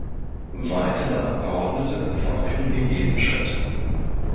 Weitere Abgeordnete folgten in diesem Schritt.